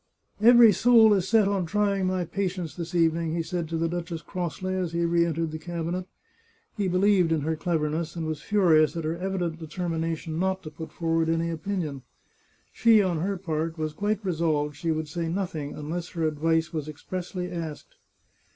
" Every soul is set on trying my patience this evening," he said to the duchess crossly, as he re entered the cabinet. He believed in her cleverness, and was furious at her evi dent determination not to put forward any opinion. She, on her part, was quite resolved she would say nothing unless her advice was expressly asked.